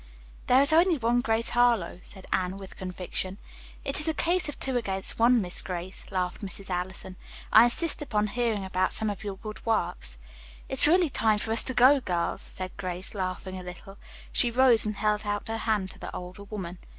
"There is only one Grace Harlowe," said Anne, with conviction. "It is a case of two against one, Miss Grace," laughed Mrs. Allison. "I insist upon hearing about some of your good works." "It's really time for us to go, girls," said Grace, laughing a little. She rose and held out her hand to the older woman.